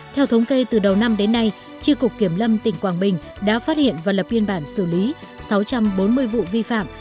theo thống kê từ đầu năm đến nay tri cục kiểm lâm tỉnh quảng bình đã phát hiện và lập biên bản xử lý sáu trăm bốn mươi vụ vi phạm